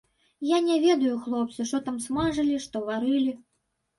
Я не ведаю, хлопцы, што там смажылі, што варылі.